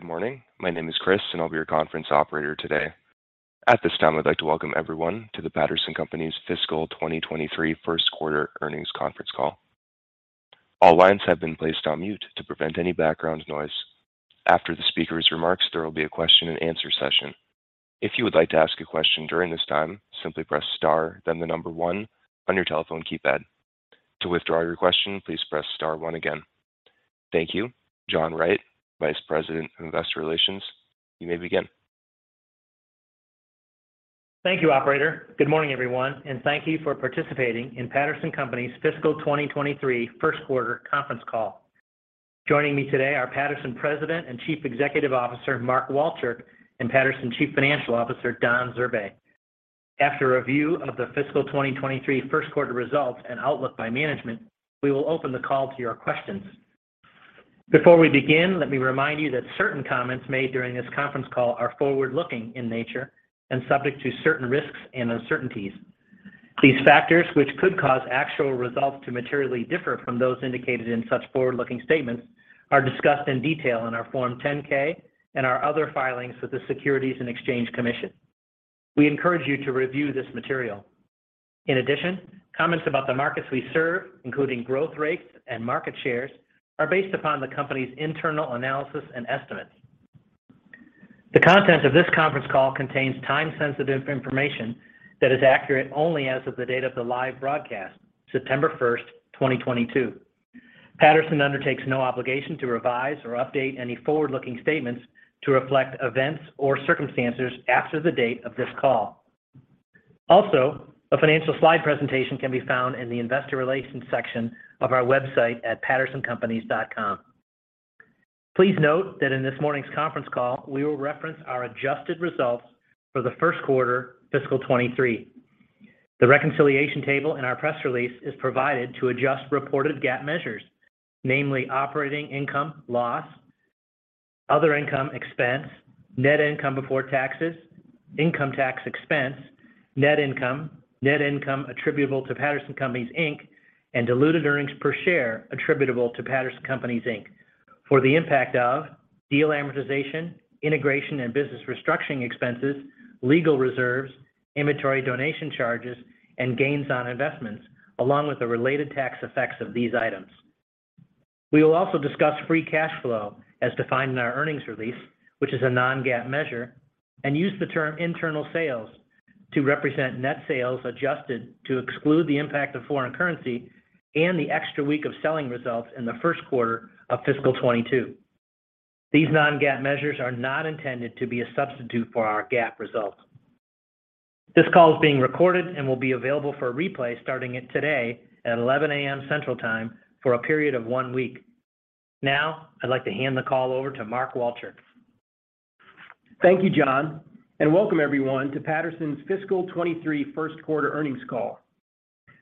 Good morning. My name is Chris, and I'll be your conference operator today. At this time, I'd like to welcome everyone to the Patterson Companies' fiscal 2023 1st quarter earnings conference call. All lines have been placed on mute to prevent any background noise. After the speaker's remarks, there will be a question-and-answer session. If you would like to ask a question during this time, simply press star then the number one on your telephone keypad. To withdraw your question, please press star one again. Thank you. John Wright, Vice President of Investor Relations, you may begin. Thank you, operator. Good morning, everyone, and thank you for participating in Patterson Companies' fiscal 2023 1st quarter conference call. Joining me today are Patterson's President and Chief Executive Officer, Mark Walchirk, and Patterson's Chief Financial Officer, Don Zurbay. After a review of the fiscal 2023 1st quarter results and outlook by management, we will open the call to your questions. Before we begin, let me remind you that certain comments made during this conference call are forward-looking in nature and subject to certain risks and uncertainties. These factors, which could cause actual results to materially differ from those indicated in such forward-looking statements, are discussed in detail in our Form 10-K and our other filings with the Securities and Exchange Commission. We encourage you to review this material. In addition, comments about the markets we serve, including growth rates and market shares, are based upon the company's internal analysis and estimates. The content of this conference call contains time-sensitive information that is accurate only as of the date of the live broadcast, September 1, 2022. Patterson undertakes no obligation to revise or update any forward-looking statements to reflect events or circumstances after the date of this call. Also, a financial slide presentation can be found in the investor relations section of our website at pattersoncompanies.com. Please note that in this morning's conference call, we will reference our adjusted results for the 1st quarter fiscal 2023. The reconciliation table in our press release is provided to adjust reported GAAP measures, namely operating income/loss, other income/expense, net income before taxes, income tax expense, net income, net income attributable to Patterson Companies, Inc., and diluted earnings per share attributable to Patterson Companies, Inc., for the impact of deal amortization, integration and business restructuring expenses, legal reserves, inventory donation charges, and gains on investments, along with the related tax effects of these items. We will also discuss free cash flow as defined in our earnings release, which is a non-GAAP measure, and use the term internal sales to represent net sales adjusted to exclude the impact of foreign currency and the extra week of selling results in the 1st quarter of fiscal 2022. These non-GAAP measures are not intended to be a substitute for our GAAP results. This call is being recorded and will be available for replay starting today at 11:00 A.M. Central Time for a period of one week. Now, I'd like to hand the call over to Mark Walchirk. Thank you, John, and welcome everyone to Patterson Companies' fiscal 2023 1st quarter earnings call.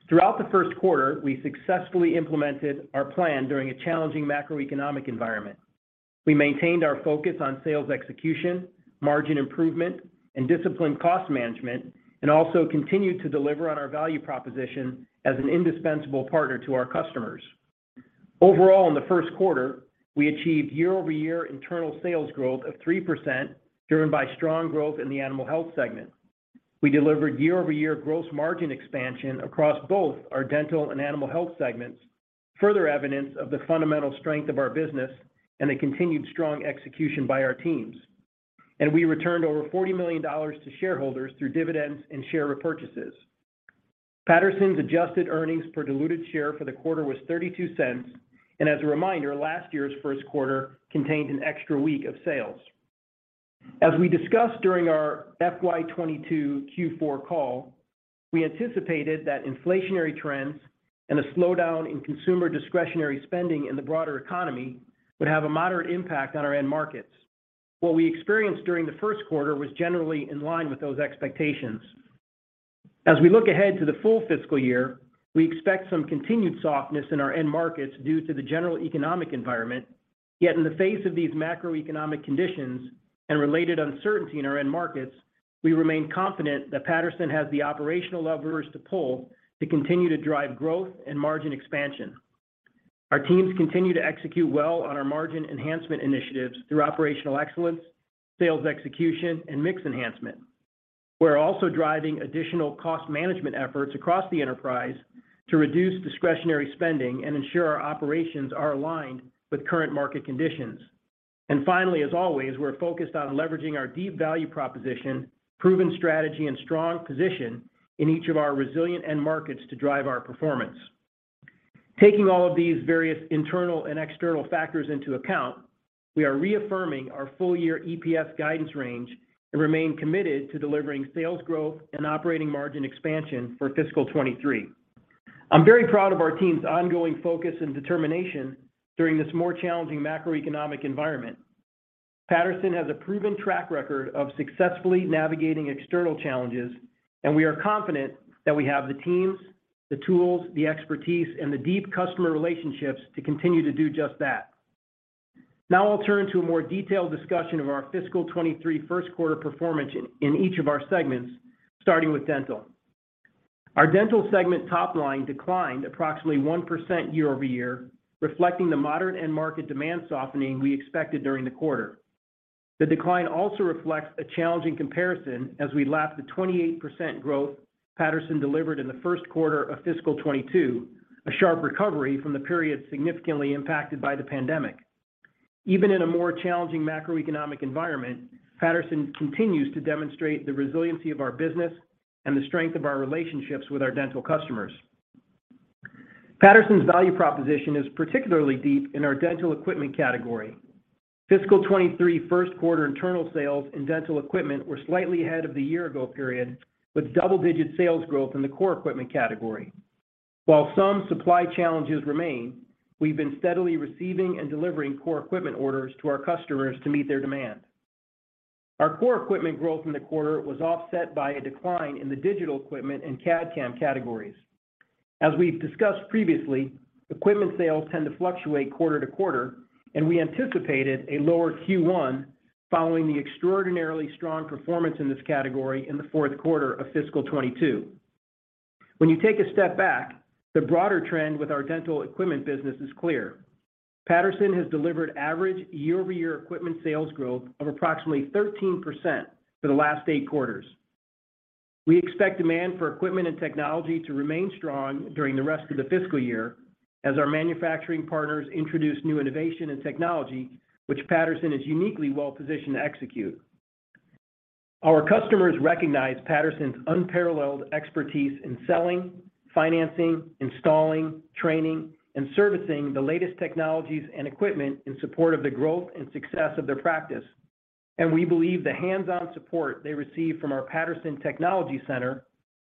Throughout the 1st quarter, we successfully implemented our plan during a challenging macroeconomic environment. We maintained our focus on sales execution, margin improvement, and disciplined cost management, and also continued to deliver on our value proposition as an indispensable partner to our customers. Overall, in the 1st quarter, we achieved year-over-year internal sales growth of 3%, driven by strong growth in the animal health segment. We delivered year-over-year gross margin expansion across both our dental and animal health segments, further evidence of the fundamental strength of our business and the continued strong execution by our teams. We returned over $40 million to shareholders through dividends and share repurchases. Patterson Companies' adjusted earnings per diluted share for the quarter was $0.32. As a reminder, last year's 1st quarter contained an extra week of sales. As we discussed during our FY 2022 Q4 call, we anticipated that inflationary trends and a slowdown in consumer discretionary spending in the broader economy would have a moderate impact on our end markets. What we experienced during the 1st quarter was generally in line with those expectations. As we look ahead to the full fiscal year, we expect some continued softness in our end markets due to the general economic environment. Yet in the face of these macroeconomic conditions and related uncertainty in our end markets, we remain confident that Patterson has the operational levers to pull to continue to drive growth and margin expansion. Our teams continue to execute well on our margin enhancement initiatives through operational excellence, sales execution, and mix enhancement. We're also driving additional cost management efforts across the enterprise to reduce discretionary spending and ensure our operations are aligned with current market conditions. Finally, as always, we're focused on leveraging our deep value proposition, proven strategy, and strong position in each of our resilient end markets to drive our performance. Taking all of these various internal and external factors into account, we are reaffirming our full year EPS guidance range and remain committed to delivering sales growth and operating margin expansion for fiscal 2023. I'm very proud of our team's ongoing focus and determination during this more challenging macroeconomic environment. Patterson has a proven track record of successfully navigating external challenges, and we are confident that we have the teams, the tools, the expertise, and the deep customer relationships to continue to do just that. Now I'll turn to a more detailed discussion of our fiscal 2023 1st quarter performance in each of our segments, starting with dental. Our dental segment top line declined approximately 1% year-over-year, reflecting the moderate end market demand softening we expected during the quarter. The decline also reflects a challenging comparison as we lap the 28% growth Patterson delivered in the 1st quarter of fiscal 2022, a sharp recovery from the period significantly impacted by the pandemic. Even in a more challenging macroeconomic environment, Patterson continues to demonstrate the resiliency of our business and the strength of our relationships with our dental customers. Patterson's value proposition is particularly deep in our dental equipment category. Fiscal 2023 1st quarter internal sales in dental equipment were slightly ahead of the year ago period, with double-digit sales growth in the core equipment category. While some supply challenges remain, we've been steadily receiving and delivering core equipment orders to our customers to meet their demand. Our core equipment growth in the quarter was offset by a decline in the digital equipment and CAD/CAM categories. As we've discussed previously, equipment sales tend to fluctuate quarter to quarter, and we anticipated a lower Q1 following the extraordinarily strong performance in this category in the 4th quarter of fiscal 2022. When you take a step back, the broader trend with our dental equipment business is clear. Patterson has delivered average year-over-year equipment sales growth of approximately 13% for the last eight quarters. We expect demand for equipment and technology to remain strong during the rest of the fiscal year as our manufacturing partners introduce new innovation and technology, which Patterson is uniquely well positioned to execute. Our customers recognize Patterson's unparalleled expertise in selling, financing, installing, training, and servicing the latest technologies and equipment in support of the growth and success of their practice. We believe the hands-on support they receive from our Patterson Technology Center,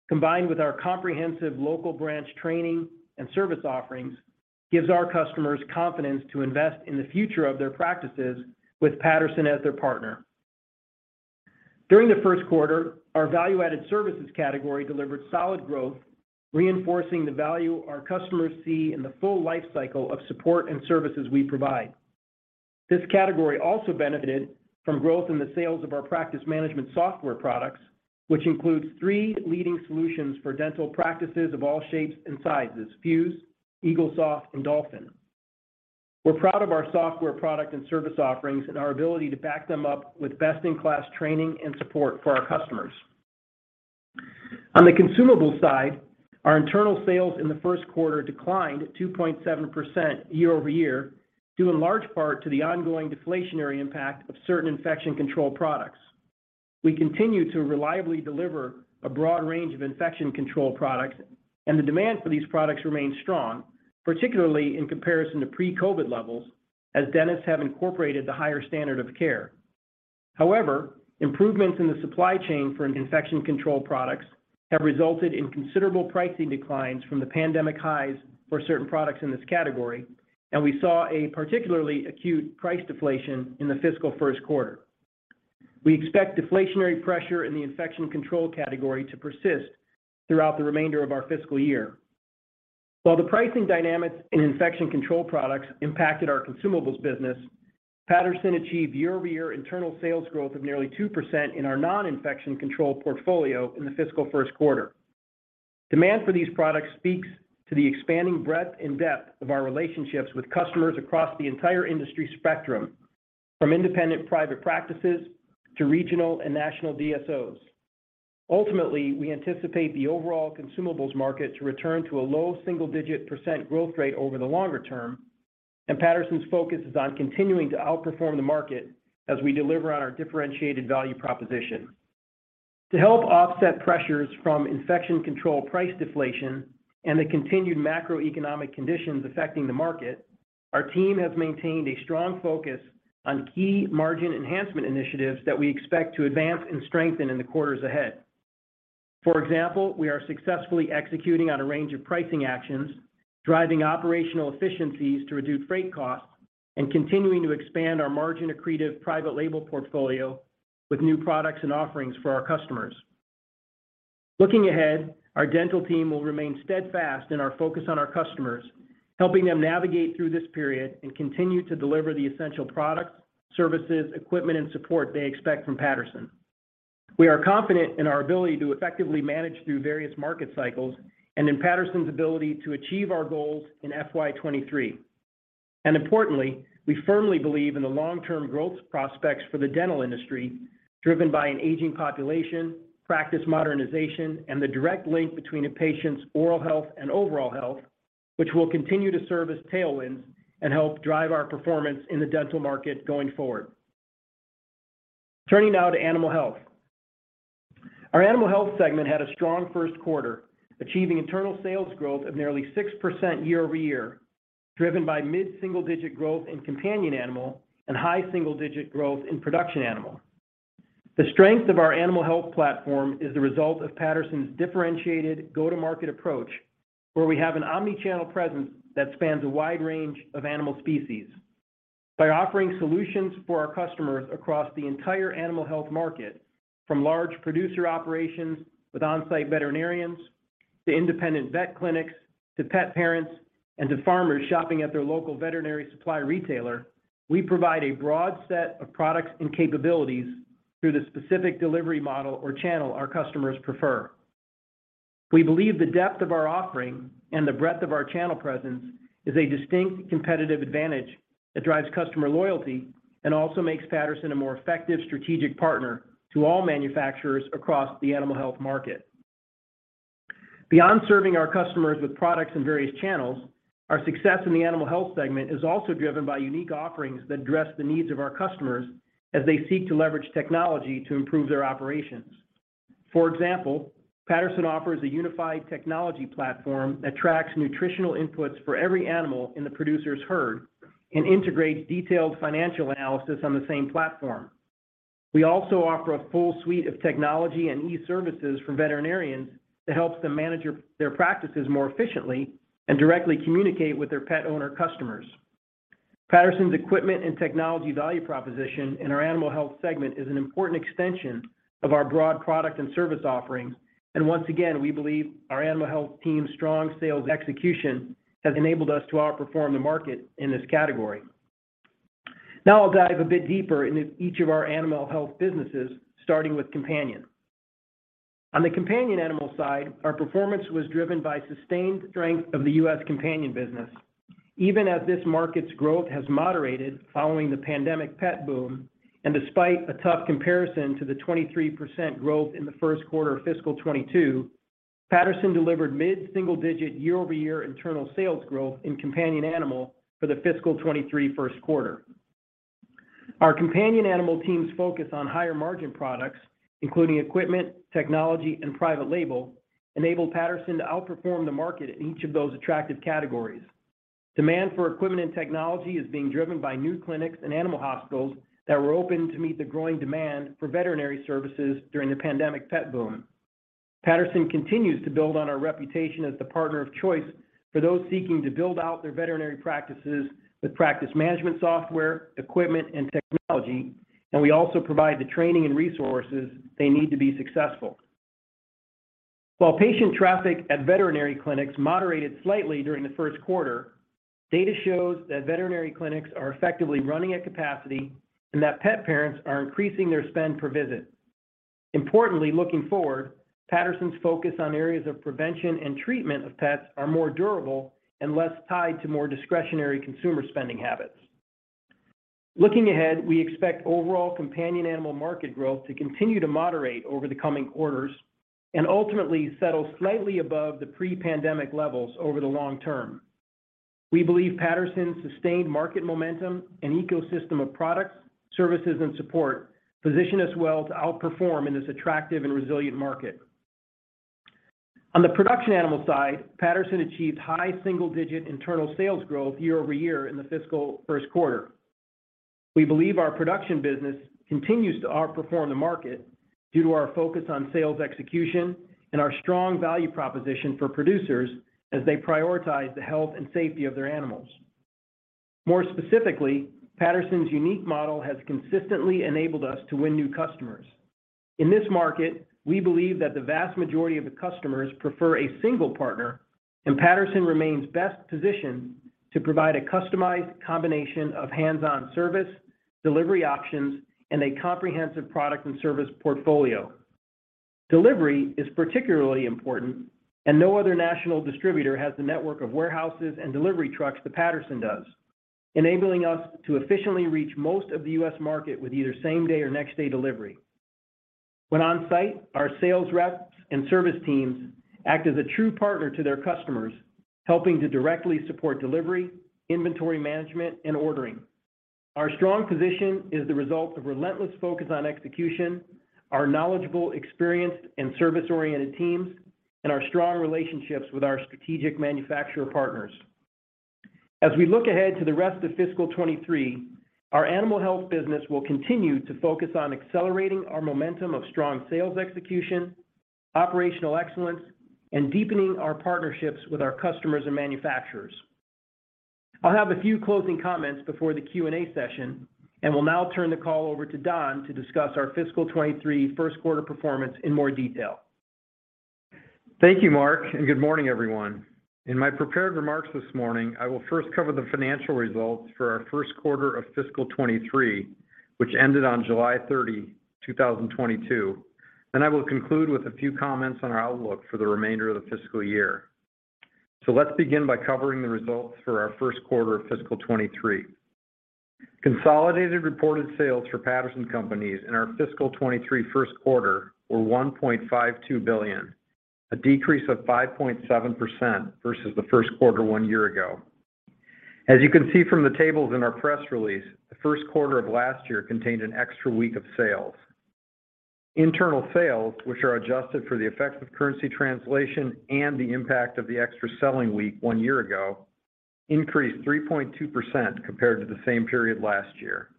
combined with our comprehensive local branch training and service offerings, gives our customers confidence to invest in the future of their practices with Patterson as their partner. During the 1st quarter, our value-added services category delivered solid growth, reinforcing the value our customers see in the full lifecycle of support and services we provide. This category also benefited from growth in the sales of our practice management software products, which includes three leading solutions for dental practices of all shapes and sizes, Fuse, Eaglesoft, and Dolphin. We're proud of our software product and service offerings and our ability to back them up with best-in-class training and support for our customers. On the consumable side, our internal sales in the 1st quarter declined 2.7% year-over-year, due in large part to the ongoing deflationary impact of certain infection control products. We continue to reliably deliver a broad range of infection control products, and the demand for these products remains strong, particularly in comparison to pre-COVID levels, as dentists have incorporated the higher standard of care. However, improvements in the supply chain for infection control products have resulted in considerable pricing declines from the pandemic highs for certain products in this category, and we saw a particularly acute price deflation in the fiscal 1st quarter. We expect deflationary pressure in the infection control category to persist throughout the remainder of our fiscal year. While the pricing dynamics in infection control products impacted our consumables business, Patterson achieved year-over-year internal sales growth of nearly 2% in our non-infection control portfolio in the fiscal 1st quarter. Demand for these products speaks to the expanding breadth and depth of our relationships with customers across the entire industry spectrum, from independent private practices to regional and national DSOs. Ultimately, we anticipate the overall consumables market to return to a low single-digit percentage growth rate over the longer term. Patterson's focus is on continuing to outperform the market as we deliver on our differentiated value proposition. To help offset pressures from infection control price deflation and the continued macroeconomic conditions affecting the market, our team has maintained a strong focus on key margin enhancement initiatives that we expect to advance and strengthen in the quarters ahead. For example, we are successfully executing on a range of pricing actions, driving operational efficiencies to reduce freight costs, and continuing to expand our margin-accretive private label portfolio with new products and offerings for our customers. Looking ahead, our dental team will remain steadfast in our focus on our customers, helping them navigate through this period and continue to deliver the essential products, services, equipment, and support they expect from Patterson. We are confident in our ability to effectively manage through various market cycles and in Patterson's ability to achieve our goals in FY 2023. Importantly, we firmly believe in the long-term growth prospects for the dental industry, driven by an aging population, practice modernization, and the direct link between a patient's oral health and overall health, which will continue to serve as tailwinds and help drive our performance in the dental market going forward. Turning now to animal health. Our animal health segment had a strong 1st quarter, achieving internal sales growth of nearly 6% year-over-year, driven by mid-single-digit growth in companion animal and high single-digit growth in production animal. The strength of our animal health platform is the result of Patterson's differentiated go-to-market approach, where we have an omni-channel presence that spans a wide range of animal species. By offering solutions for our customers across the entire animal health market, from large producer operations with on-site veterinarians to independent vet clinics, to pet parents, and to farmers shopping at their local veterinary supply retailer, we provide a broad set of products and capabilities through the specific delivery model or channel our customers prefer. We believe the depth of our offering and the breadth of our channel presence is a distinct competitive advantage that drives customer loyalty and also makes Patterson a more effective strategic partner to all manufacturers across the animal health market. Beyond serving our customers with products in various channels, our success in the animal health segment is also driven by unique offerings that address the needs of our customers as they seek to leverage technology to improve their operations. For example, Patterson offers a unified technology platform that tracks nutritional inputs for every animal in the producer's herd and integrates detailed financial analysis on the same platform. We also offer a full suite of technology and e-services for veterinarians that helps them manage their practices more efficiently and directly communicate with their pet owner customers. Patterson's equipment and technology value proposition in our animal health segment is an important extension of our broad product and service offerings. Once again, we believe our animal health team's strong sales execution has enabled us to outperform the market in this category. Now I'll dive a bit deeper into each of our animal health businesses, starting with companion. On the companion animal side, our performance was driven by sustained strength of the U.S. companion business. Even as this market's growth has moderated following the pandemic pet boom, and despite a tough comparison to the 23% growth in the 1st quarter of fiscal 2022, Patterson delivered mid-single digit year-over-year internal sales growth in companion animal for the fiscal 2023 1st quarter. Our companion animal teams focus on higher margin products, including equipment, technology, and private label, enable Patterson to outperform the market in each of those attractive categories. Demand for equipment and technology is being driven by new clinics and animal hospitals that were opened to meet the growing demand for veterinary services during the pandemic pet boom. Patterson continues to build on our reputation as the partner of choice for those seeking to build out their veterinary practices with practice management software, equipment, and technology, and we also provide the training and resources they need to be successful. While patient traffic at veterinary clinics moderated slightly during the 1st quarter, data shows that veterinary clinics are effectively running at capacity and that pet parents are increasing their spend per visit. Importantly, looking forward, Patterson's focus on areas of prevention and treatment of pets are more durable and less tied to more discretionary consumer spending habits. Looking ahead, we expect overall companion animal market growth to continue to moderate over the coming quarters and ultimately settle slightly above the pre-pandemic levels over the long term. We believe Patterson's sustained market momentum and ecosystem of products, services, and support position us well to outperform in this attractive and resilient market. On the production animal side, Patterson achieved high single digit internal sales growth year-over-year in the fiscal 1st quarter. We believe our production business continues to outperform the market due to our focus on sales execution and our strong value proposition for producers as they prioritize the health and safety of their animals. More specifically, Patterson's unique model has consistently enabled us to win new customers. In this market, we believe that the vast majority of the customers prefer a single partner, and Patterson remains best positioned to provide a customized combination of hands-on service, delivery options, and a comprehensive product and service portfolio. Delivery is particularly important, and no other national distributor has the network of warehouses and delivery trucks that Patterson does, enabling us to efficiently reach most of the U.S. market with either same day or next day delivery. When on site, our sales reps and service teams act as a true partner to their customers, helping to directly support delivery, inventory management, and ordering. Our strong position is the result of relentless focus on execution, our knowledgeable, experienced, and service-oriented teams, and our strong relationships with our strategic manufacturer partners. As we look ahead to the rest of fiscal 2023, our animal health business will continue to focus on accelerating our momentum of strong sales execution, operational excellence, and deepening our partnerships with our customers and manufacturers. I'll have a few closing comments before the Q&A session, and will now turn the call over to Don to discuss our fiscal 2023 1st quarter performance in more detail. Thank you, Mark, and good morning, everyone. In my prepared remarks this morning, I will first cover the financial results for our 1st quarter of fiscal 2023, which ended on July 30, 2022. I will conclude with a few comments on our outlook for the remainder of the fiscal year. Let's begin by covering the results for our 1st quarter of fiscal 2023. Consolidated reported sales for Patterson Companies in our fiscal 2023 1st quarter were $1.52 billion, a decrease of 5.7% versus the 1st quarter one year ago. As you can see from the tables in our press release, the 1st quarter of last year contained an extra week of sales. Internal sales, which are adjusted for the effects of currency translation and the impact of the extra selling week one year ago, increased 3.2% compared to the same period last year.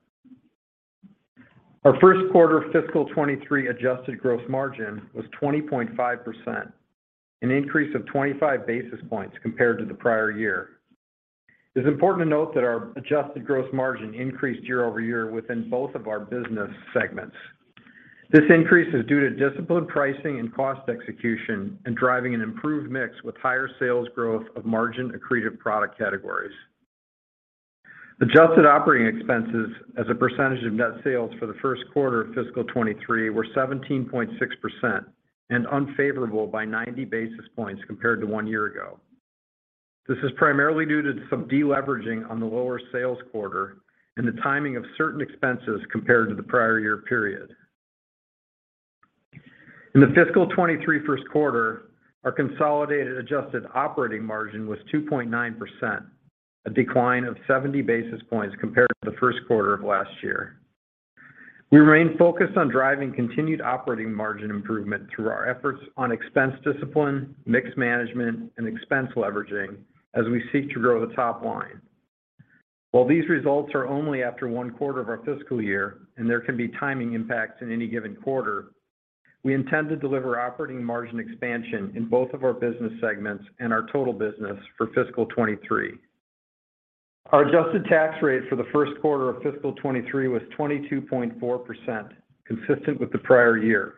Our 1st quarter fiscal 2023 adjusted gross margin was 20.5%, an increase of 25 basis points compared to the prior year. It's important to note that our adjusted gross margin increased year over year within both of our business segments. This increase is due to disciplined pricing and cost execution and driving an improved mix with higher sales growth of margin accretive product categories. Adjusted operating expenses as a percentage of net sales for the 1st quarter of fiscal 2023 were 17.6% and unfavorable by 90 basis points compared to one year ago. This is primarily due to some deleveraging on the lower sales quarter and the timing of certain expenses compared to the prior year period. In the fiscal 2023 1st quarter, our consolidated adjusted operating margin was 2.9%, a decline of 70 basis points compared to the 1st quarter of last year. We remain focused on driving continued operating margin improvement through our efforts on expense discipline, mix management, and expense leveraging as we seek to grow the top line. While these results are only after one quarter of our fiscal year, and there can be timing impacts in any given quarter, we intend to deliver operating margin expansion in both of our business segments and our total business for fiscal 2023. Our adjusted tax rate for the 1st quarter of fiscal 2023 was 22.4%, consistent with the prior year.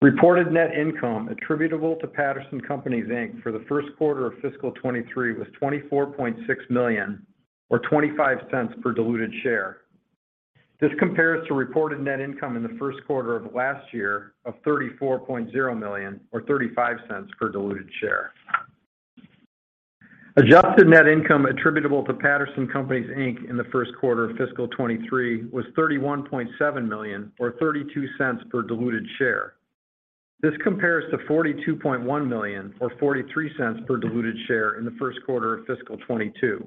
Reported net income attributable to Patterson Companies, Inc. for the 1st quarter of fiscal 2023 was $24.6 million or $0.25 per diluted share. This compares to reported net income in the 1st quarter of last year of $34.0 million or $0.35 per diluted share. Adjusted net income attributable to Patterson Companies, Inc. in the 1st quarter of fiscal 2023 was $31.7 million or $0.32 per diluted share. This compares to $42.1 million or $0.43 per diluted share in the 1st quarter of fiscal 2022.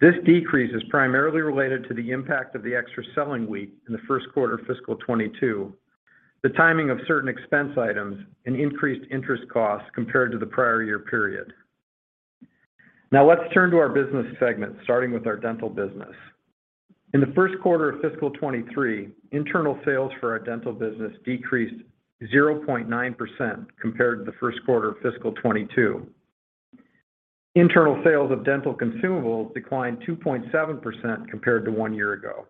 This decrease is primarily related to the impact of the extra selling week in the 1st quarter of fiscal 2022, the timing of certain expense items, and increased interest costs compared to the prior year period. Now let's turn to our business segment, starting with our dental business. In the 1st quarter of fiscal 2023, internal sales for our dental business decreased 0.9% compared to the 1st quarter of fiscal 2022. Internal sales of dental consumables declined 2.7% compared to one year ago.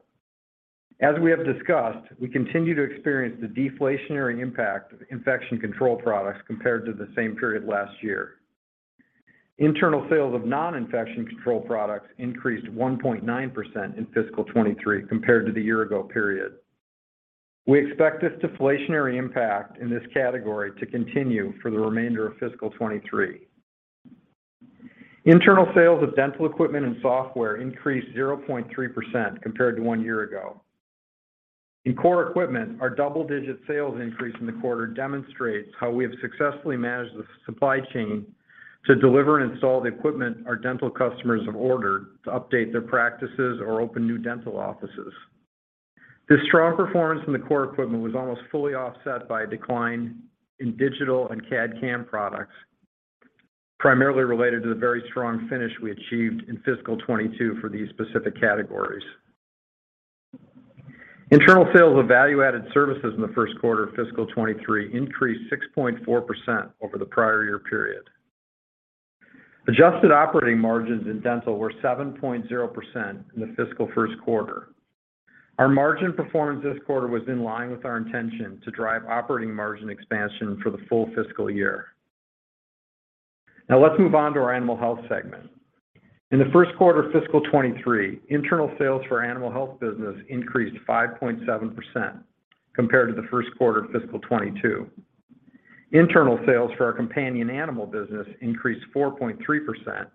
As we have discussed, we continue to experience the deflationary impact of infection control products compared to the same period last year. Internal sales of non-infection control products increased 1.9% in fiscal 2023 compared to the year ago period. We expect this deflationary impact in this category to continue for the remainder of fiscal 2023. Internal sales of dental equipment and software increased 0.3% compared to one year ago. In core equipment, our double-digit sales increase in the quarter demonstrates how we have successfully managed the supply chain to deliver and install the equipment our dental customers have ordered to update their practices or open new dental offices. This strong performance in the core equipment was almost fully offset by a decline in digital and CAD/CAM products, primarily related to the very strong finish we achieved in fiscal 2022 for these specific categories. Internal sales of value-added services in the 1st quarter of fiscal 2023 increased 6.4% over the prior year period. Adjusted operating margins in dental were 7.0% in the fiscal 1st quarter. Our margin performance this quarter was in line with our intention to drive operating margin expansion for the full fiscal year. Now let's move on to our animal health segment. In the 1st quarter of fiscal 2023, internal sales for our animal health business increased 5.7% compared to the 1st quarter of fiscal 2022. Internal sales for our companion animal business increased 4.3%,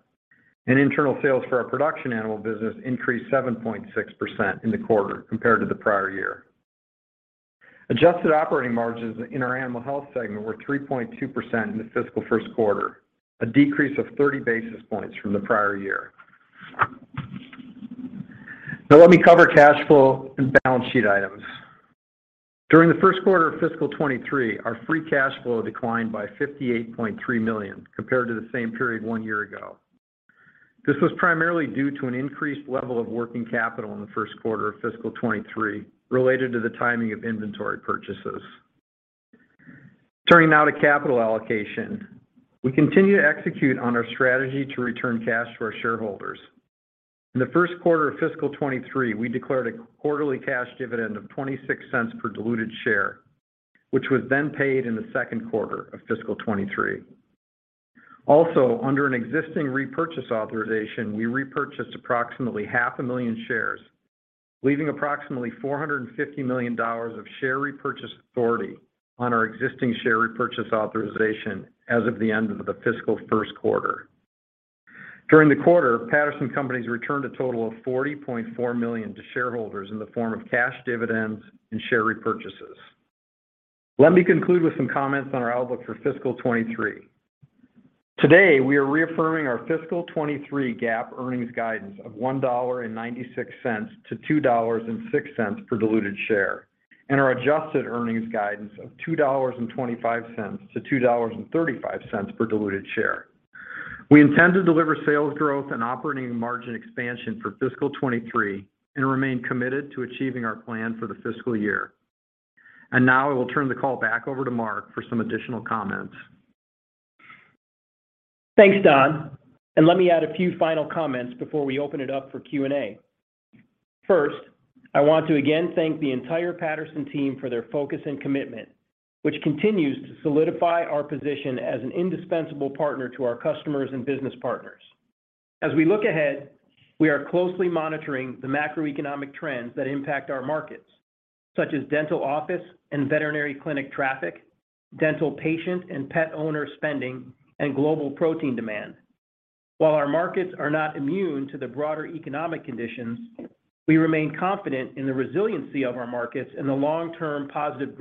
and internal sales for our production animal business increased 7.6% in the quarter compared to the prior year. Adjusted operating margins in our animal health segment were 3.2% in the fiscal 1st quarter, a decrease of 30 basis points from the prior year. Now let me cover cash flow and balance sheet items. During the 1st quarter of fiscal 2023, our free cash flow declined by $58.3 million compared to the same period one year ago. This was primarily due to an increased level of working capital in the 1st quarter of fiscal 2023 related to the timing of inventory purchases. Turning now to capital allocation. We continue to execute on our strategy to return cash to our shareholders. In the 1st quarter of fiscal 2023, we declared a quarterly cash dividend of 26 cents per diluted share, which was then paid in the 2nd quarter of fiscal 2023. Under an existing repurchase authorization, we repurchased approximately 500,000 shares, leaving approximately $450 million of share repurchase authority on our existing share repurchase authorization as of the end of the fiscal 1st quarter. During the quarter, Patterson Companies returned a total of $40.4 million to shareholders in the form of cash dividends and share repurchases. Let me conclude with some comments on our outlook for fiscal 2023. Today, we are reaffirming our fiscal 2023 GAAP earnings guidance of $1.96-$2.06 per diluted share and our adjusted earnings guidance of $2.25-$2.35 per diluted share. We intend to deliver sales growth and operating margin expansion for fiscal 2023 and remain committed to achieving our plan for the fiscal year. Now I will turn the call back over to Mark for some additional comments. Thanks, Don. Let me add a few final comments before we open it up for Q&A. First, I want to again thank the entire Patterson team for their focus and commitment, which continues to solidify our position as an indispensable partner to our customers and business partners. As we look ahead, we are closely monitoring the macroeconomic trends that impact our markets, such as dental office and veterinary clinic traffic, dental patient and pet owner spending, and global protein demand. While our markets are not immune to the broader economic conditions, we remain confident in the resiliency of our markets and the long-term positive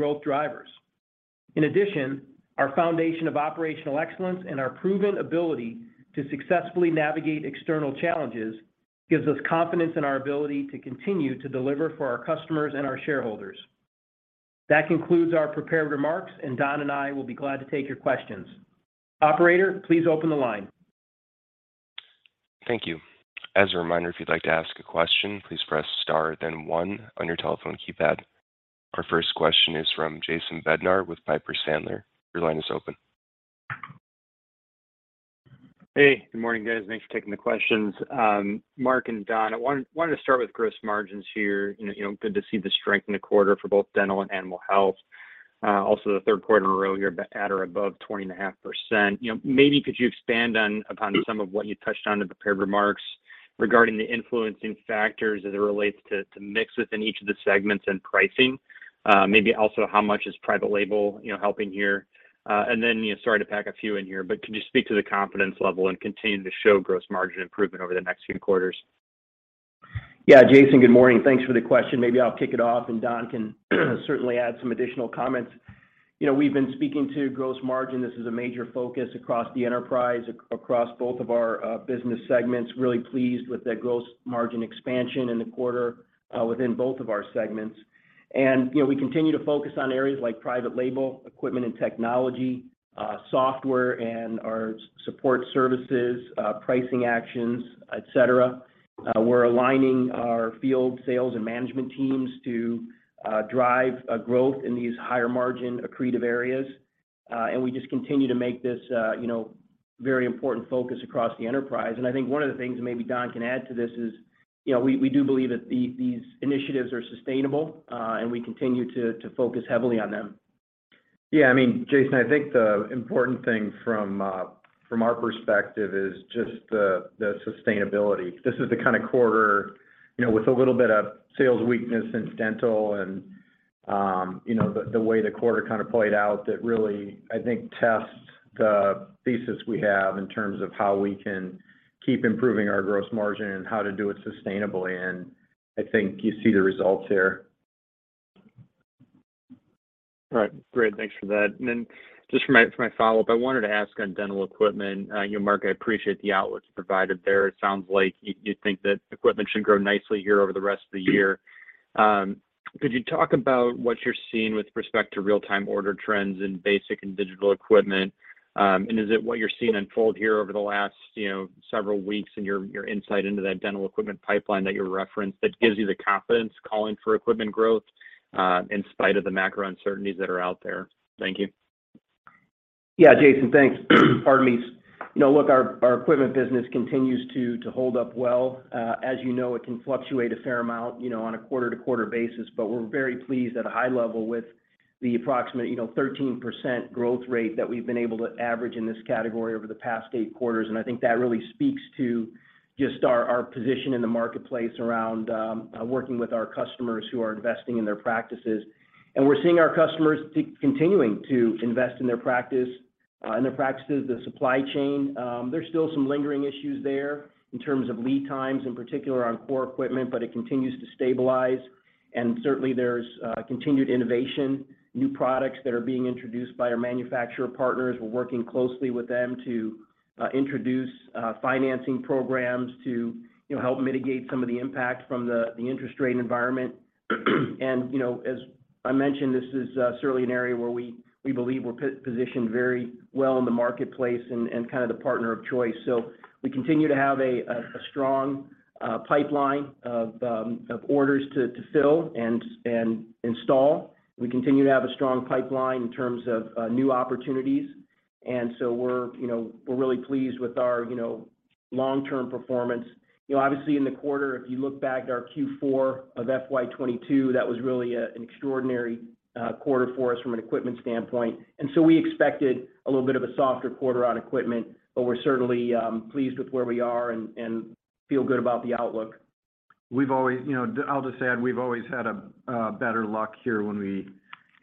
growth drivers. In addition, our foundation of operational excellence and our proven ability to successfully navigate external challenges gives us confidence in our ability to continue to deliver for our customers and our shareholders. That concludes our prepared remarks, and Don and I will be glad to take your questions. Operator, please open the line. Thank you. As a reminder, if you'd like to ask a question, please press star then one on your telephone keypad. Our first question is from Jason Bednar with Piper Sandler. Your line is open. Hey, good morning, guys. Thanks for taking the questions. Mark and Don, I wanted to start with gross margins here. You know, good to see the strength in the quarter for both dental and animal health. Also the 3rd quarter in a row here at or above 20.5%. You know, maybe could you expand upon some of what you touched on in the prepared remarks regarding the influencing factors as it relates to mix within each of the segments and pricing? Maybe also how much is private label helping here. You know, sorry to pack a few in here, but could you speak to the confidence level and continue to show gross margin improvement over the next few quarters? Yeah. Jason, good morning. Thanks for the question. Maybe I'll kick it off and Don can certainly add some additional comments. You know, we've been speaking to gross margin. This is a major focus across the enterprise, across both of our business segments. Really pleased with that gross margin expansion in the quarter, within both of our segments. You know, we continue to focus on areas like private label, equipment and technology, software and our support services, pricing actions, et cetera. We're aligning our field sales and management teams to drive growth in these higher margin accretive areas. You know, we just continue to make this very important focus across the enterprise. I think one of the things maybe Don can add to this is, you know, we do believe that these initiatives are sustainable, and we continue to focus heavily on them. Yeah. I mean, Jason, I think the important thing from our perspective is just the sustainability. This is the kind of quarter, you know, with a little bit of sales weakness in dental and, you know, the way the quarter kind of played out that really, I think, tests the thesis we have in terms of how we can keep improving our gross margin and how to do it sustainably, and I think you see the results here. All right. Great. Thanks for that. Just for my follow-up, I wanted to ask on dental equipment. You know, Mark, I appreciate the outlooks provided there. It sounds like you think that equipment should grow nicely here over the rest of the year. Could you talk about what you're seeing with respect to real-time order trends in basic and digital equipment? And is it what you're seeing unfold here over the last, you know, several weeks and your insight into that dental equipment pipeline that you referenced that gives you the confidence calling for equipment growth, in spite of the macro uncertainties that are out there? Thank you. Yeah. Jason, thanks. Pardon me. You know, look, our equipment business continues to hold up well. As you know, it can fluctuate a fair amount, you know, on a quarter-to-quarter basis, but we're very pleased at a high level with the approximate 13% growth rate that we've been able to average in this category over the past eight quarters. I think that really speaks to just our position in the marketplace around working with our customers who are investing in their practices. We're seeing our customers keep continuing to invest in their practice, in their practices. The supply chain, there's still some lingering issues there in terms of lead times, in particular on core equipment, but it continues to stabilize. Certainly there's continued innovation, new products that are being introduced by our manufacturer partners. We're working closely with them to introduce financing programs to, you know, help mitigate some of the impact from the interest rate environment. You know, as I mentioned, this is certainly an area where we believe we're positioned very well in the marketplace and kind of the partner of choice. We continue to have a strong pipeline of orders to fill and install. We continue to have a strong pipeline in terms of new opportunities. You know, we're really pleased with our, you know, long-term performance. You know, obviously in the quarter, if you look back at our Q4 of FY 2022, that was really an extraordinary quarter for us from an equipment standpoint. We expected a little bit of a softer quarter on equipment, but we're certainly pleased with where we are and feel good about the outlook. You know, I'll just add, we've always had a better luck here when we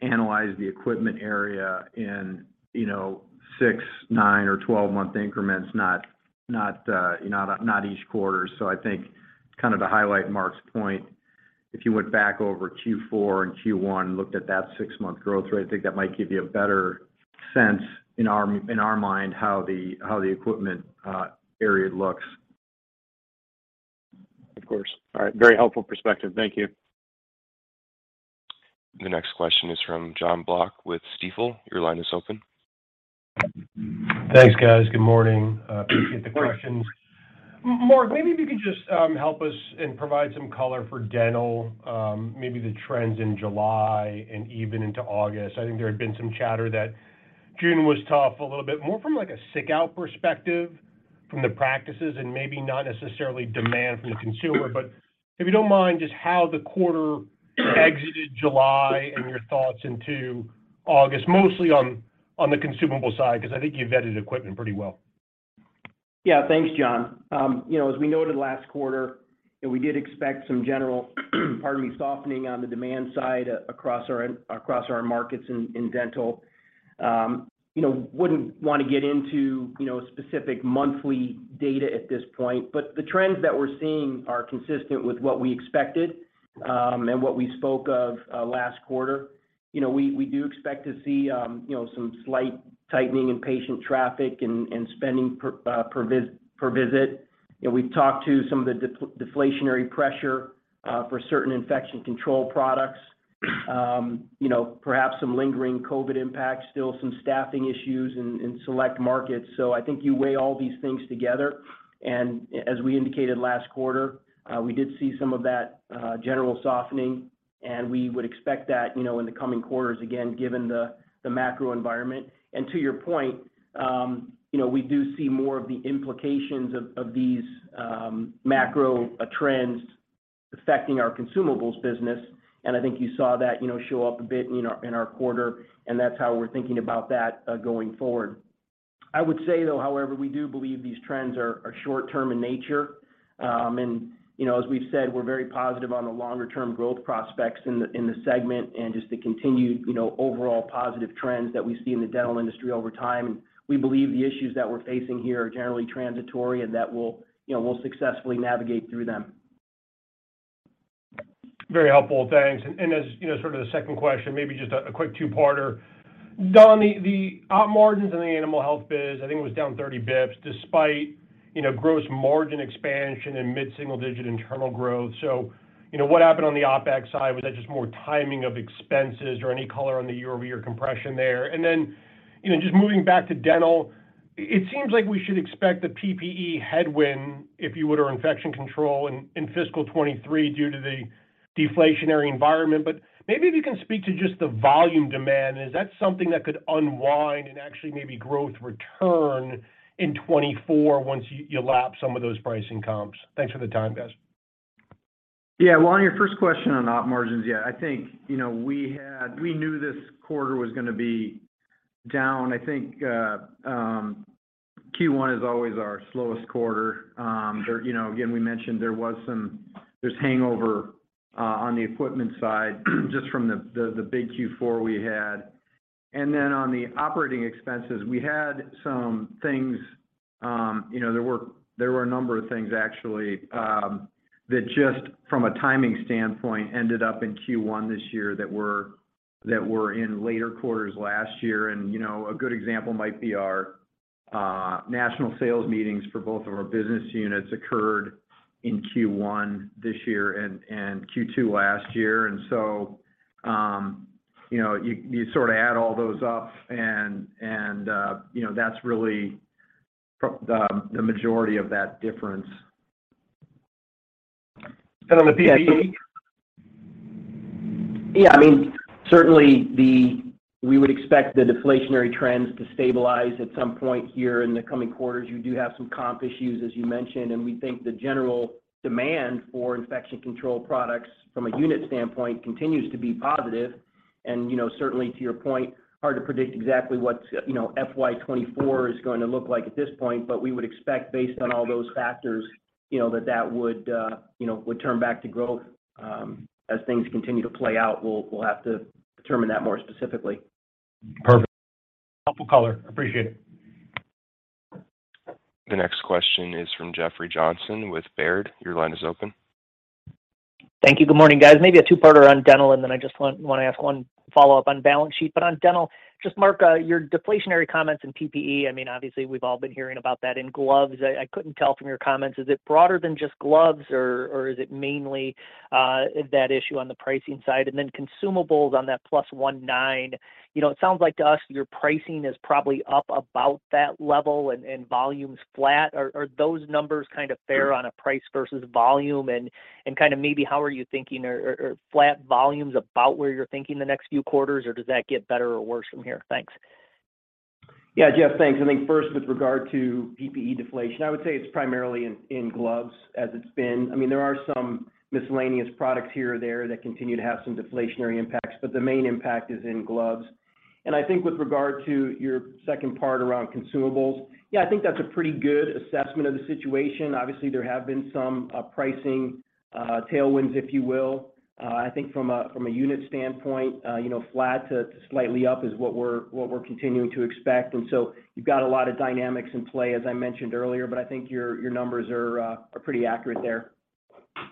analyze the equipment area in, you know, six, nine, or 12-month increments, not each quarter. I think to kind of highlight Mark's point, if you went back over Q4 and Q1, looked at that 6-month growth rate, I think that might give you a better sense in our mind how the equipment area looks. Of course. All right. Very helpful perspective. Thank you. The next question is from Jonathan Block with Stifel. Your line is open. Thanks, guys. Good morning. Appreciate the questions. Mark, maybe if you could just help us and provide some color for dental, maybe the trends in July and even into August. I think there had been some chatter that June was tough, a little bit more from like a sick-out perspective from the practices and maybe not necessarily demand from the consumer. If you don't mind, just how the quarter exited July and your thoughts into August, mostly on the consumable side, because I think you vetted equipment pretty well. Yeah. Thanks, John. You know, as we noted last quarter, we did expect some general, pardon me, softening on the demand side across our markets in dental. You know, wouldn't want to get into specific monthly data at this point, but the trends that we're seeing are consistent with what we expected and what we spoke of last quarter. You know, we do expect to see some slight tightening in patient traffic and spending per visit. You know, we've talked to some of the deflationary pressure for certain infection control products. You know, perhaps some lingering COVID impacts, still some staffing issues in select markets. I think you weigh all these things together. As we indicated last quarter, we did see some of that general softening, and we would expect that, you know, in the coming quarters, again, given the macro environment. To your point, you know, we do see more of the implications of these macro trends affecting our consumables business, and I think you saw that, you know, show up a bit in our quarter, and that's how we're thinking about that going forward. I would say, though, however, we do believe these trends are short-term in nature. You know, as we've said, we're very positive on the longer term growth prospects in the segment and just the continued, you know, overall positive trends that we see in the dental industry over time. We believe the issues that we're facing here are generally transitory and that we'll, you know, successfully navigate through them. Very helpful. Thanks. As you know, sort of the second question, maybe just a quick two-parter. Don, the Op margins in the animal health biz, I think it was down 30 basis points despite, you know, gross margin expansion and mid-single-digit internal growth. You know, what happened on the OpEx side? Was that just more timing of expenses or any color on the year-over-year compression there? Then, you know, just moving back to dental, it seems like we should expect the PPE headwind, if you would, or infection control in fiscal 2023 due to the deflationary environment. Maybe if you can speak to just the volume demand, is that something that could unwind and actually maybe growth return in 2024 once you lap some of those pricing comps? Thanks for the time, guys. Yeah. Well, on your first question on op margins, yeah, I think, you know, we knew this quarter was gonna be down. I think, Q1 is always our slowest quarter. There, you know, again, we mentioned there was some-- there's hangover on the equipment side just from the big Q4 we had. Then on the operating expenses, we had some things, you know, there were a number of things actually that just from a timing standpoint ended up in Q1 this year that were in later quarters last year and, you know. A good example might be our national sales meetings for both of our business units occurred in Q1 this year and Q2 last year. You know, you sort of add all those up and, you know, that's really the majority of that difference. On the PPE? Yeah. I mean, certainly we would expect the deflationary trends to stabilize at some point here in the coming quarters. You do have some comp issues, as you mentioned, and we think the general demand for infection control products from a unit standpoint continues to be positive. You know, certainly to your point, hard to predict exactly what's FY 2024 is going to look like at this point. We would expect based on all those factors, you know, that would turn back to growth. As things continue to play out, we'll have to determine that more specifically. Perfect. Helpful color. Appreciate it. The next question is from Jeffrey Johnson with Baird. Your line is open. Thank you. Good morning, guys. Maybe a two-parter on dental, and then I just want to ask one follow-up on balance sheet. On dental, just Mark, your deflationary comments in PPE, I mean, obviously, we've all been hearing about that in gloves. I couldn't tell from your comments, is it broader than just gloves, or is it mainly that issue on the pricing side? Consumables on that +1.9, you know, it sounds like to us, your pricing is probably up about that level and volume's flat. Are those numbers kind of fair on a price versus volume and kind of maybe how are you thinking? Or flat volume's about where you're thinking the next few quarters, or does that get better or worse from here? Thanks. Yeah. Jeff, thanks. I think first with regard to PPE deflation, I would say it's primarily in gloves as it's been. I mean, there are some miscellaneous products here or there that continue to have some deflationary impacts, but the main impact is in gloves. I think with regard to your second part around consumables, yeah, I think that's a pretty good assessment of the situation. Obviously, there have been some pricing tailwinds, if you will. I think from a unit standpoint, you know, flat to slightly up is what we're continuing to expect. You've got a lot of dynamics in play, as I mentioned earlier, but I think your numbers are pretty accurate there.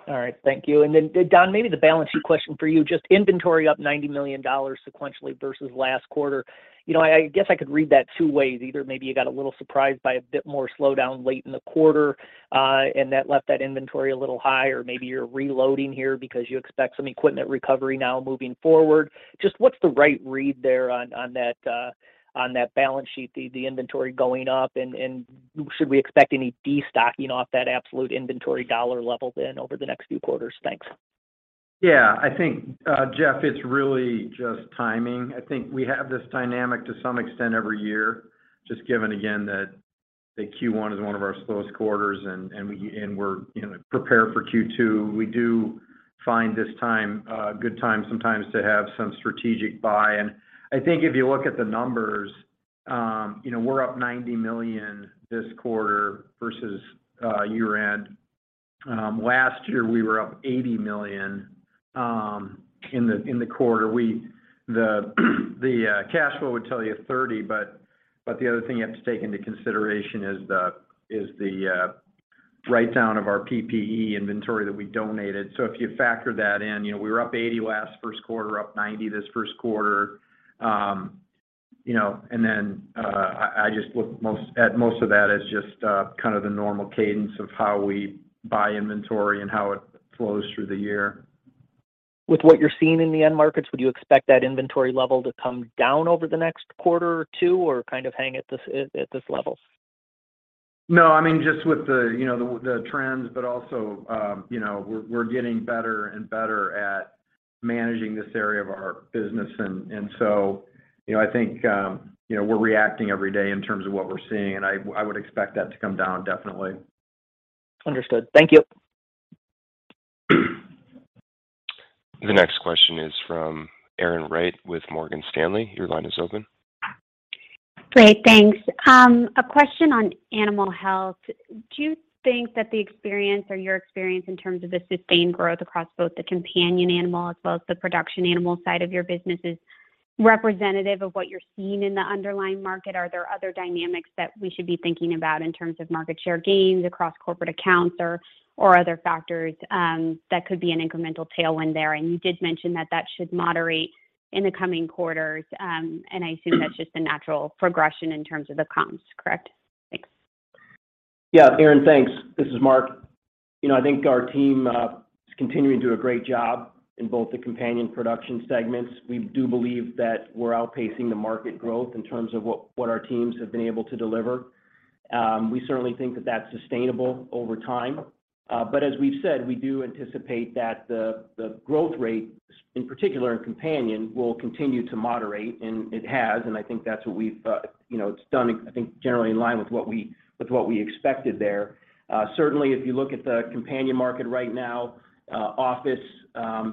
All right, thank you. Then, Don, maybe the balance sheet question for you, just inventory up $90 million sequentially versus last quarter. You know, I guess I could read that two ways. Either maybe you got a little surprised by a bit more slowdown late in the quarter, and that left that inventory a little high, or maybe you're reloading here because you expect some equipment recovery now moving forward. Just what's the right read there on that balance sheet, the inventory going up? Should we expect any destocking off that absolute inventory dollar level then over the next few quarters? Thanks. Yeah, I think, Jeff, it's really just timing. I think we have this dynamic to some extent every year, just given again that the Q1 is one of our slowest quarters and we're, you know, prepared for Q2. We do find this time good time sometimes to have some strategic buy-in. I think if you look at the numbers, you know, we're up $90 million this quarter versus year-end. Last year we were up $80 million in the quarter. The cash flow would tell you $30, but the other thing you have to take into consideration is the write down of our PPE inventory that we donated. If you factor that in, you know, we were up $80 last 1st quarter, up $90 this 1st quarter. You know, I just look at most of that as just kind of the normal cadence of how we buy inventory and how it flows through the year. With what you're seeing in the end markets, would you expect that inventory level to come down over the next quarter or two or kind of hang at this level? No, I mean, just with the trends, but also, you know, we're getting better and better at managing this area of our business. You know, I think, you know, we're reacting every day in terms of what we're seeing, and I would expect that to come down definitely. Understood. Thank you. The next question is from Erin Wright with Morgan Stanley. Your line is open. Great. Thanks. A question on animal health. Do you think that the experience or your experience in terms of the sustained growth across both the companion animal as well as the production animal side of your business is representative of what you're seeing in the underlying market? Are there other dynamics that we should be thinking about in terms of market share gains across corporate accounts or other factors that could be an incremental tailwind there? You did mention that that should moderate in the coming quarters, and I assume that's just a natural progression in terms of the comps, correct? Thanks. Yeah. Erin, thanks. This is Mark. You know, I think our team is continuing to do a great job in both the companion and production segments. We do believe that we're outpacing the market growth in terms of what our teams have been able to deliver. We certainly think that that's sustainable over time. But as we've said, we do anticipate that the growth rate in particular in companion will continue to moderate, and it has. I think that's what we've you know it's done, I think, generally in line with what we expected there. Certainly, if you look at the companion market right now, office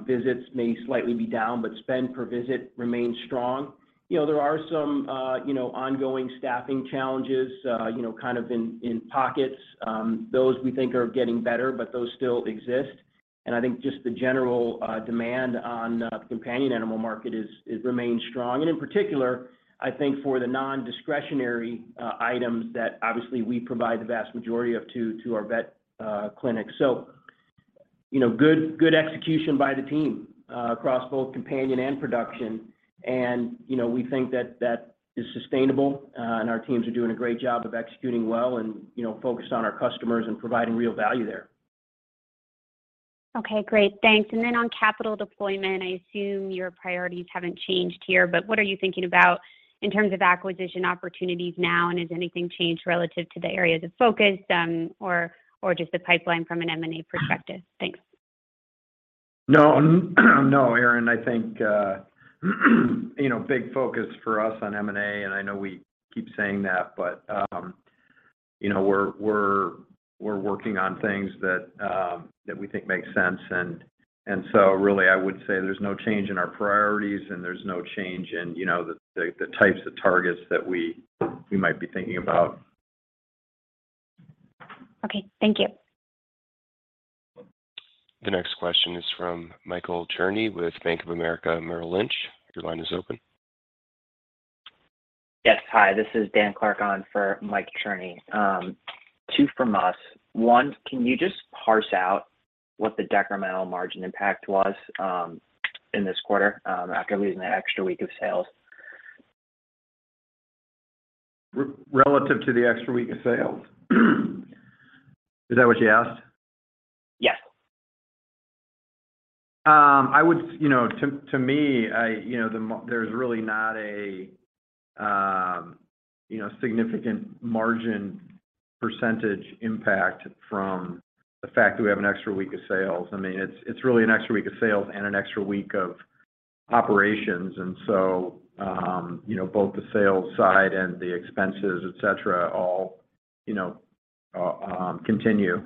visits may slightly be down, but spend per visit remains strong. You know, there are some you know ongoing staffing challenges, you know, kind of in pockets. Those we think are getting better, but those still exist. I think just the general demand on the companion animal market remains strong. In particular, I think for the non-discretionary items that obviously we provide the vast majority of to our vet clinic. You know, good execution by the team across both companion and production. You know, we think that is sustainable, and our teams are doing a great job of executing well and focused on our customers and providing real value there. Okay, great. Thanks. On capital deployment, I assume your priorities haven't changed here, but what are you thinking about in terms of acquisition opportunities now, and has anything changed relative to the areas of focus, or just the pipeline from an M&A perspective? Thanks. No, no, Erin. I think you know, big focus for us on M&A, and I know we keep saying that, but you know, we're working on things that we think make sense. Really, I would say there's no change in our priorities, and there's no change in you know, the types of targets that we might be thinking about. Okay. Thank you. The next question is from Michael Cherny with Bank of America Merrill Lynch. Your line is open. Yes. Hi, this is Dan Clark on for Mike Cherny. Two from us. One, can you just parse out what the decremental margin impact was, in this quarter, after losing the extra week of sales? Relative to the extra week of sales? Is that what you asked? Yes. You know, to me, you know, there's really not a you know, significant margin percentage impact from the fact that we have an extra week of sales. I mean, it's really an extra week of sales and an extra week of operations. You know, both the sales side and the expenses, et cetera, all you know, continue.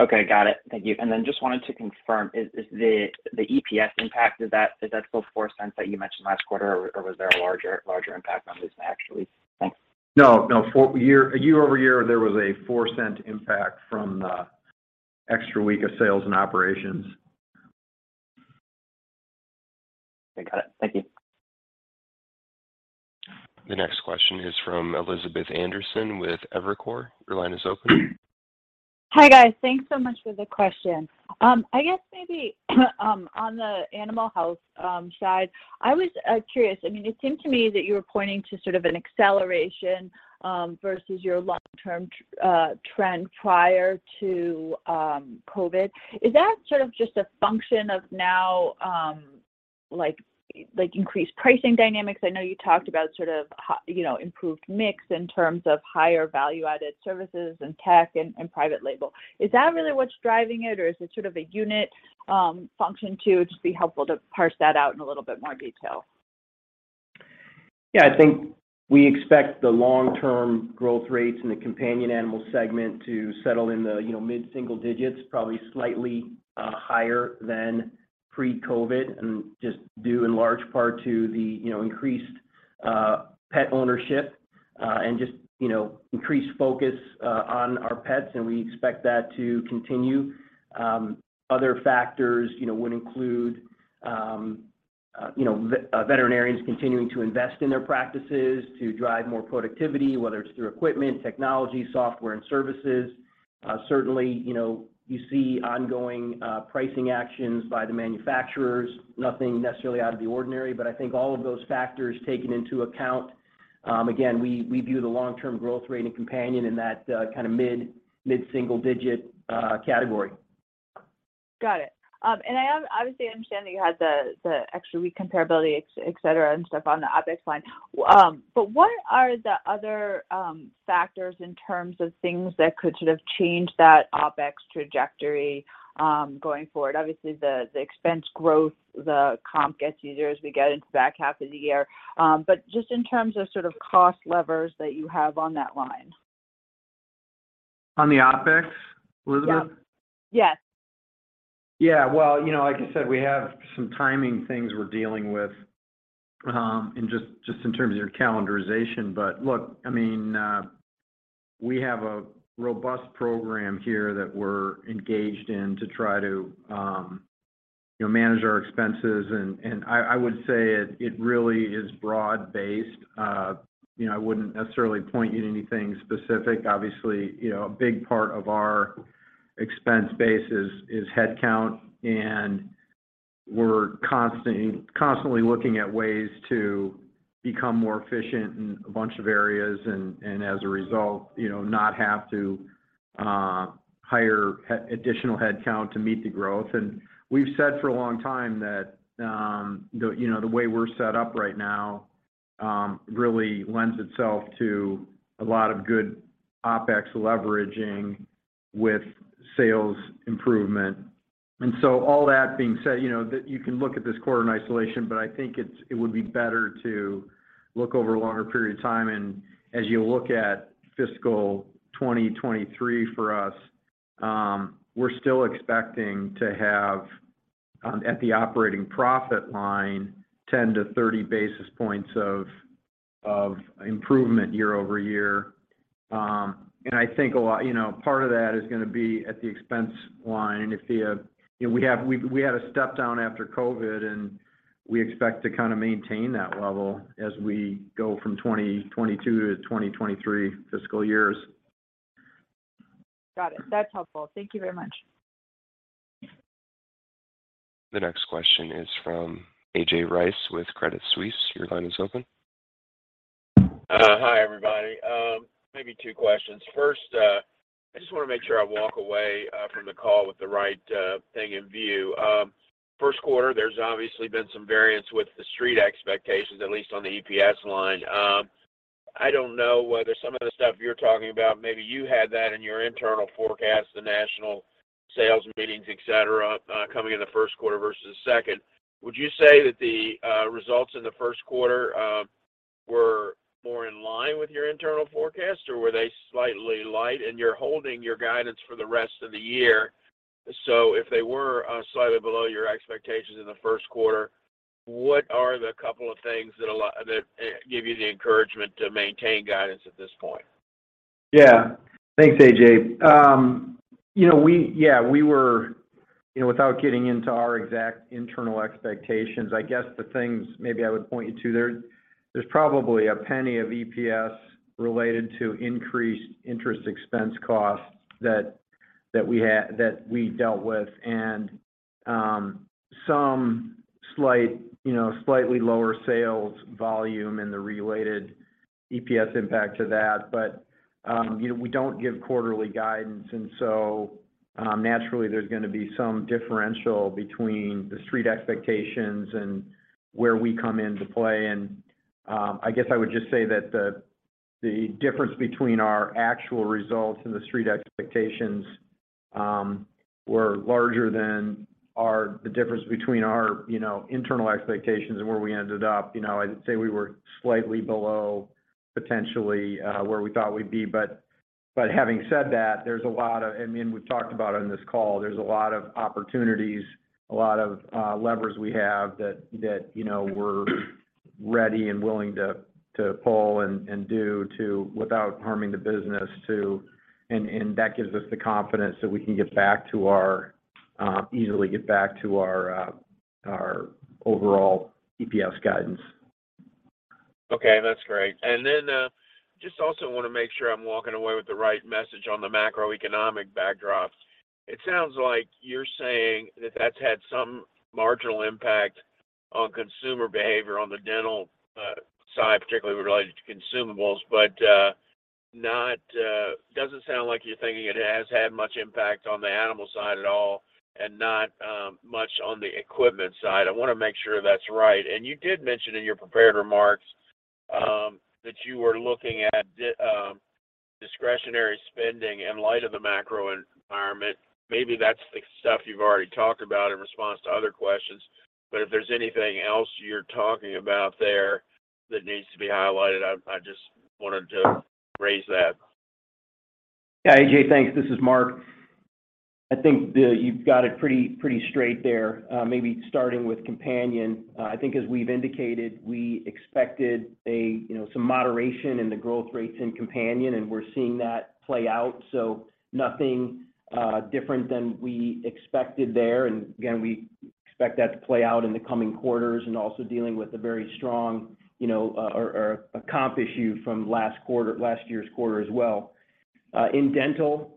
Okay. Got it. Thank you. Just wanted to confirm, is the EPS impact still $0.04 that you mentioned last quarter? Or was there a larger impact from an extra week? Thanks. No, no. Year-over-year, there was a $0.04 impact from the extra week of sales and operations. Okay. Got it. Thank you. The next question is from Elizabeth Anderson with Evercore ISI. Your line is open. Hi, guys. Thanks so much for the question. I guess maybe on the animal health side, I was curious. I mean, it seemed to me that you were pointing to sort of an acceleration versus your long-term trend prior to COVID. Is that sort of just a function of now, like increased pricing dynamics? I know you talked about sort of you know, improved mix in terms of higher value-added services and tech and private label. Is that really what's driving it, or is it sort of a unit function too? It'd just be helpful to parse that out in a little bit more detail. Yeah. I think we expect the long-term growth rates in the companion animal segment to settle in the, you know, mid-single digits, probably slightly higher than pre-COVID, and just due in large part to the, you know, increased pet ownership, and just, you know, increased focus on our pets, and we expect that to continue. Other factors, you know, would include veterinarians continuing to invest in their practices to drive more productivity, whether it's through equipment, technology, software, and services. Certainly, you know, you see ongoing pricing actions by the manufacturers. Nothing necessarily out of the ordinary, but I think all of those factors taken into account, again, we view the long-term growth rate in companion in that kind of mid-single digit category. Got it. I obviously understand that you had the extra week comparability, etc., and stuff on the OpEx line. What are the other factors in terms of things that could sort of change that OpEx trajectory going forward? Obviously, the expense growth, the comp gets easier as we get into the back half of the year. Just in terms of sort of cost levers that you have on that line. On the OpEx, Elizabeth? Yeah. Yes. Yeah. Well, you know, like I said, we have some timing things we're dealing with in just in terms of your calendarization. Look, I mean, we have a robust program here that we're engaged in to try to, you know, manage our expenses, and I would say it really is broad-based. You know, I wouldn't necessarily point you to anything specific. Obviously, you know, a big part of our expense base is head count, and we're constantly looking at ways to become more efficient in a bunch of areas and as a result, you know, not have to hire additional head count to meet the growth. We've said for a long time that you know the way we're set up right now really lends itself to a lot of good OpEx leveraging with sales improvement. All that being said, you know you can look at this quarter in isolation, but I think it would be better to look over a longer period of time. As you look at fiscal 2023 for us, we're still expecting to have at the operating profit line 10-30 basis points of improvement year-over-year. I think a lot you know part of that is gonna be at the expense line. You know, we had a step down after COVID, and we expect to kind of maintain that level as we go from 2022 to 2023 fiscal years. Got it. That's helpful. Thank you very much. The next question is from A.J. Rice with Credit Suisse. Your line is open. Hi, everybody. Maybe two questions. First, I just wanna make sure I walk away from the call with the right thing in view. 1st quarter, there's obviously been some variance with the Street expectations, at least on the EPS line. I don't know whether some of the stuff you're talking about, maybe you had that in your internal forecast, the national sales meetings, et cetera, coming in the 1st quarter versus second. Would you say that the results in the 1st quarter were more in line with your internal forecast, or were they slightly light? You're holding your guidance for the rest of the year. If they were slightly below your expectations in the 1st quarter, what are the couple of things that give you the encouragement to maintain guidance at this point? Yeah. Thanks, A.J. You know, we were, you know, without getting into our exact internal expectations, I guess the things maybe I would point you to there's probably a penny of EPS related to increased interest expense costs that we dealt with and some slight, you know, slightly lower sales volume and the related EPS impact to that. You know, we don't give quarterly guidance and so naturally there's gonna be some differential between the Street expectations and where we come into play. I guess I would just say that the difference between our actual results and the Street expectations were larger than the difference between our, you know, internal expectations and where we ended up. You know, I'd say we were slightly below potentially where we thought we'd be. Having said that, I mean, we've talked about it on this call, there's a lot of opportunities, a lot of levers we have that you know, we're ready and willing to pull and do, too, without harming the business. That gives us the confidence that we can easily get back to our overall EPS guidance. Okay, that's great. Just also wanna make sure I'm walking away with the right message on the macroeconomic backdrop. It sounds like you're saying that that's had some marginal impact on consumer behavior on the dental side, particularly related to consumables. Doesn't sound like you're thinking it has had much impact on the animal side at all, and not much on the equipment side. I wanna make sure that's right. You did mention in your prepared remarks that you were looking at discretionary spending in light of the macro environment. Maybe that's the stuff you've already talked about in response to other questions. If there's anything else you're talking about there that needs to be highlighted, I just wanted to raise that. Yeah, A.J., thanks. This is Mark. I think you've got it pretty straight there. Maybe starting with Companion, I think as we've indicated, we expected you know some moderation in the growth rates in Companion, and we're seeing that play out. Nothing different than we expected there. Again, we expect that to play out in the coming quarters and also dealing with a very strong you know or a comp issue from last year's quarter as well. In Dental,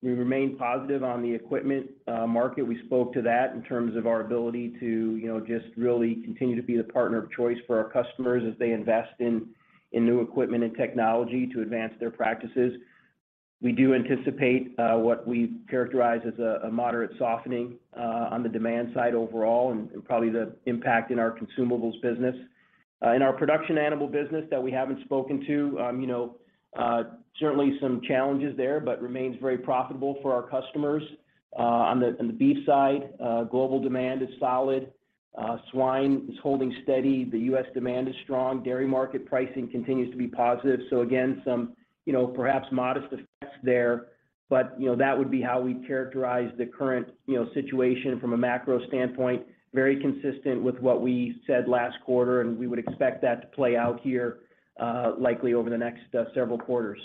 we remain positive on the equipment market. We spoke to that in terms of our ability to you know just really continue to be the partner of choice for our customers as they invest in new equipment and technology to advance their practices. We do anticipate what we characterize as a moderate softening on the demand side overall and probably the impact in our consumables business. In our production animal business that we haven't spoken to, you know, certainly some challenges there, but remains very profitable for our customers. On the beef side, global demand is solid. Swine is holding steady. The U.S. demand is strong. Dairy market pricing continues to be positive. Again, some you know, perhaps modest effects there, but you know, that would be how we characterize the current you know, situation from a macro standpoint, very consistent with what we said last quarter, and we would expect that to play out here, likely over the next several quarters.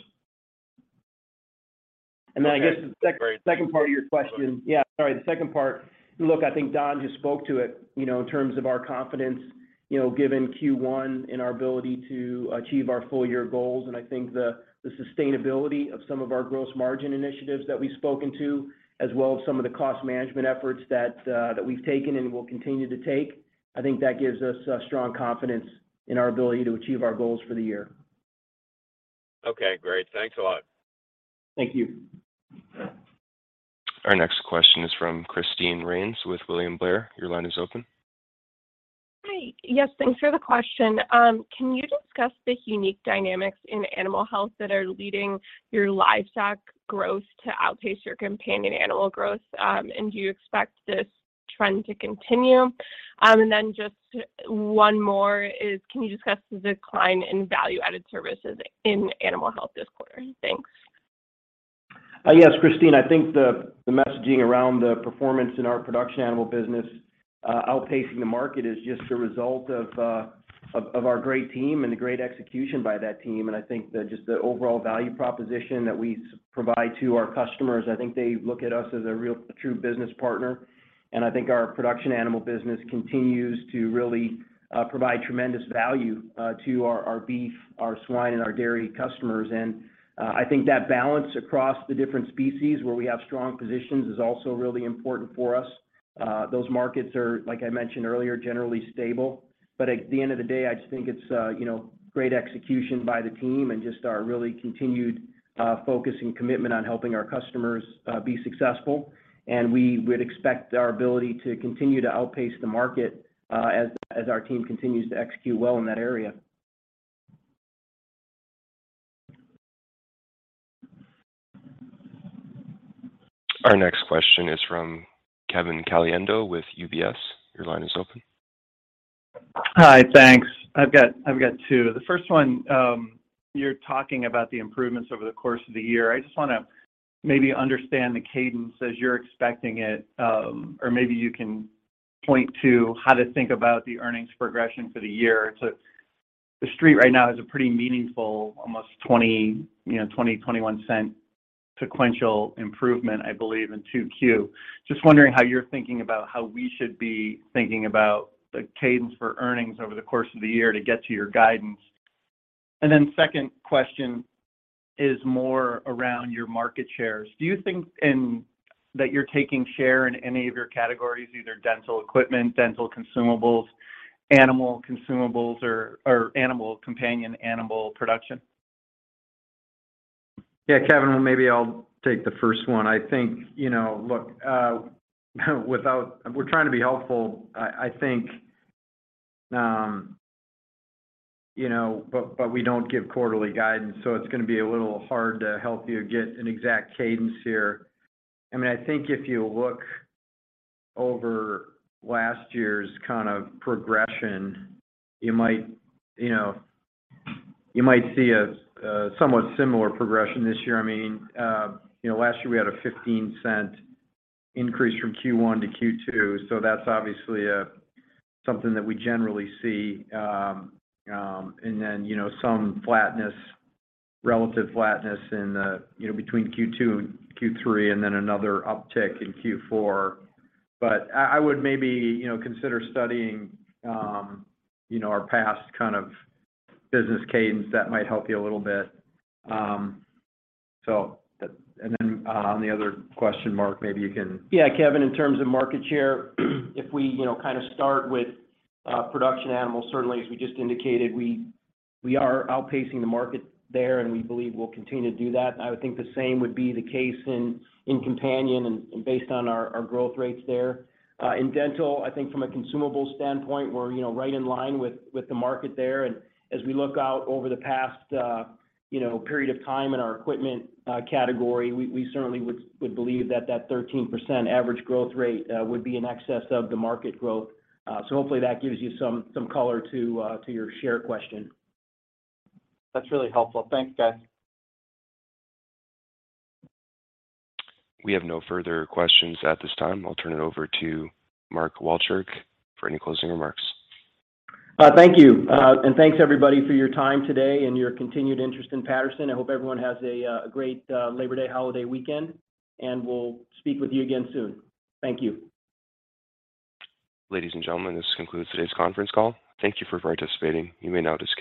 I guess the second part of your question. Yeah, sorry. The second part. Look, I think Don just spoke to it, you know, in terms of our confidence, you know, given Q1 and our ability to achieve our full year goals, and I think the sustainability of some of our gross margin initiatives that we've spoken to, as well as some of the cost management efforts that that we've taken and will continue to take. I think that gives us a strong confidence in our ability to achieve our goals for the year. Okay, great. Thanks a lot. Thank you. Our next question is from Christine Rains with William Blair. Your line is open. Hi. Yes, thanks for the question. Can you discuss the unique dynamics in animal health that are leading your livestock growth to outpace your companion animal growth? Do you expect this trend to continue? Just one more is, can you discuss the decline in value-added services in animal health this quarter? Thanks. Yes, Christine. I think the messaging around the performance in our production animal business outpacing the market is just a result of our great team and the great execution by that team. I think just the overall value proposition that we provide to our customers. I think they look at us as a real true business partner. I think our production animal business continues to really provide tremendous value to our beef, our swine, and our dairy customers. I think that balance across the different species where we have strong positions is also really important for us. Those markets are, like I mentioned earlier, generally stable. At the end of the day, I just think it's, you know, great execution by the team and just our really continued, focus and commitment on helping our customers, be successful. We would expect our ability to continue to outpace the market, as our team continues to execute well in that area. Our next question is from Kevin Caliendo with UBS. Your line is open. Hi, thanks. I've got two. The first one, you're talking about the improvements over the course of the year. I just wanna maybe understand the cadence as you're expecting it, or maybe you can point to how to think about the earnings progression for the year. The Street right now has a pretty meaningful, almost $0.21, you know, sequential improvement, I believe, in 2Q. Just wondering how you're thinking about how we should be thinking about the cadence for earnings over the course of the year to get to your guidance. Second question is more around your market shares. Do you think that you're taking share in any of your categories, either dental equipment, dental consumables, animal consumables, or animal companion animal production? Yeah, Kevin, well, maybe I'll take the first one. I think, you know, look, we're trying to be helpful. I think, you know, but we don't give quarterly guidance, so it's gonna be a little hard to help you get an exact cadence here. I mean, I think if you look over last year's kind of progression, you might, you know, you might see a somewhat similar progression this year. I mean, you know, last year we had a $0.15 increase from Q1 to Q2, so that's obviously something that we generally see. And then, you know, some flatness, relative flatness in, you know, between Q2 and Q3, and then another uptick in Q4. I would maybe, you know, consider studying, you know, our past kind of business cadence. That might help you a little bit. On the other question, Mark. Yeah, Kevin, in terms of market share, if we, you know, kind of start with production animals, certainly as we just indicated, we are outpacing the market there, and we believe we'll continue to do that. I would think the same would be the case in companion and based on our growth rates there. In dental, I think from a consumable standpoint, we're, you know, right in line with the market there. As we look out over the past, you know, period of time in our equipment category, we certainly would believe that 13% average growth rate would be in excess of the market growth. Hopefully that gives you some color to your share question. That's really helpful. Thanks, guys. We have no further questions at this time. I'll turn it over to Mark Walchirk for any closing remarks. Thank you. Thanks everybody for your time today and your continued interest in Patterson. I hope everyone has a great Labor Day holiday weekend, and we'll speak with you again soon. Thank you. Ladies and gentlemen, this concludes today's conference call. Thank you for participating. You may now disconnect.